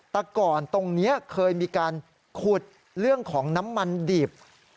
แต่ก่อนตรงนี้เคยมีการขุดเรื่องของน้ำมันดิบ